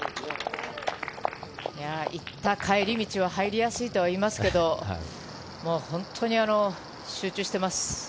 行った帰り道は入りやすいとは言いますけど本当に集中しています。